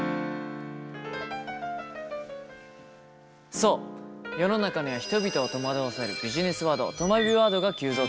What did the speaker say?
そう世の中には人々を戸惑わせるビジネスワードとまビワードが急増中。